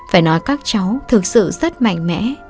phải nói các cháu thật sự rất mạnh mẽ